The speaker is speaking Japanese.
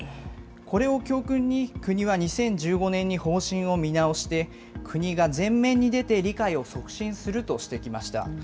これを教訓に国は２０１５年に方針を見直して、国が前面に出て理解を促進するとしてきました。